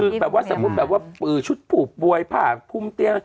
คือแบบว่าสมมุติแบบว่าชุดผู้ป่วยผ้าคุมเตียง